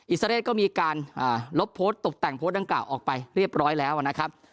ซาเรศก็มีการลบโพสต์ตกแต่งโพสต์ดังกล่าวออกไปเรียบร้อยแล้วนะครับ